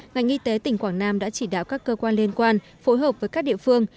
ngành y tế tỉnh quảng nam đã chỉ đạo các cơ quan liên quan phối hợp với các địa phương